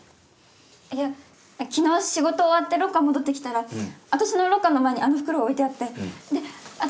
いや昨日仕事終わってロッカー戻って来たら私のロッカーの前にあの袋が置いてあってで私